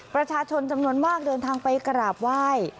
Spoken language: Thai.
ประชาชนจำนวนมากเดินทางไปกราบไหว้